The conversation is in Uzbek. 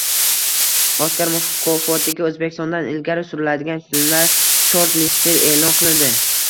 Oskar mukofotiga O‘zbekistondan ilgari suriladigan filmlar short-listi e’lon qilindi